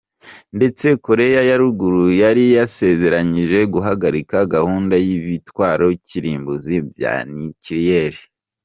Ndetse Koreya ya Ruguru yari yasezeranyije guhagarika gahunda y'ibitwaro kirimbuzi bya nikleyeri.